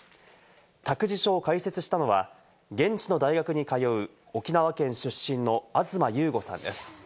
託児所を開設したのは現地の大学に通う沖縄県出身の東優悟さんです。